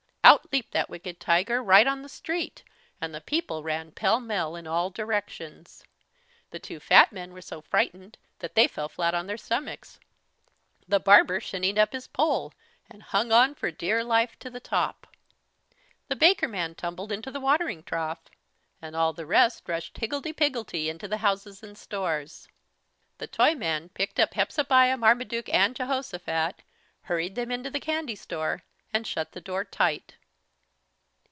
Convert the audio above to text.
Out leaped that wicked tiger right on the street, and the people ran pell mell in all directions. The two fat men were so frightened that they fell flat on their stomachs. The barber shinnied up his pole, and hung on for dear life to the top. The baker man tumbled into the watering trough, and all the rest rushed higgledy piggledy into the houses and stores. The Toyman picked up Hepzebiah, Marmaduke, and Jehosophat, hurried them into the candy store, and shut the door tight.